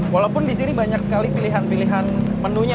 walaupun di sini banyak sekali pilihan pilihan menunya